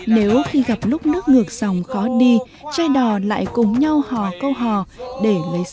nếu khi gặp lúc nước ngược dòng khó đi chai đò lại cùng nhau hò câu hò để lấy sức vượt qua thác gành